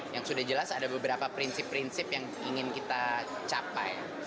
yang sudah jelas ada beberapa prinsip prinsip yang ingin kita capai